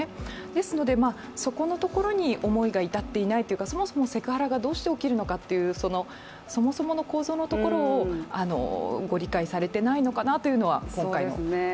ですので、そこのところに思いが至っていないというか、そもそもセクハラがどうして起きるのかというそもそもの構造のところをご理解されていないのかなというのが今回の印象でした。